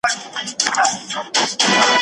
هغه په کمپيوټر کي سافټوير چلوي.